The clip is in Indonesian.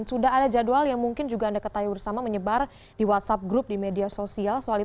sudah ada jadwal yang mungkin juga anda ketahui bersama menyebar di whatsapp group di media sosial